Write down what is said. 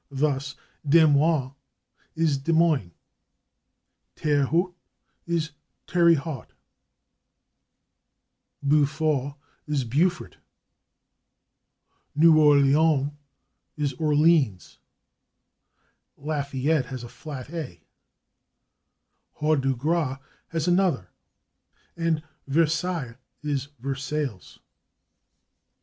Thus /Des Moines/ is /dee moyns/, /Terre Haute/ is /terry hut/, /Beaufort/ is /byu fort/, /New Orleans/ is /or leens/, /Lafayette/ has a flat /a/, /Havre de Grace/ has another, and /Versailles/ is /ver sales